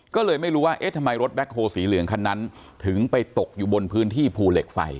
ก็เลยไม่รู้ว่าเอ๊ะทำไมรถแบ็คโฮลสีเหลืองคันนั้นถึงไปตกอยู่บนพื้นที่ภูเหล็กไฟ